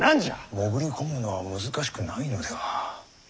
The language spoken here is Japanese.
潜り込むのは難しくないのでは。